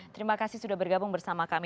terima kasih sudah bergabung bersama kami